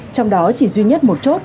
trong đó chỉ duy nhất một chốt